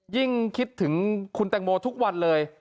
ยิ่งคิดถึงคุณแตงโมทุกวันเลย